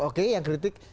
oke yang kritik